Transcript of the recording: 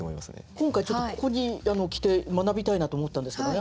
今回ここに来て学びたいなと思ったんですけどね